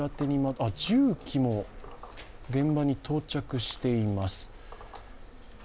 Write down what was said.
重機も現場に到着しています。